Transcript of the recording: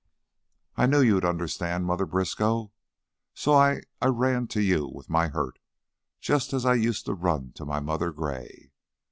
"I knew you'd understand, Mother Briskow, so I I ran to you with my hurt, just as I used to run to my Mother Gray."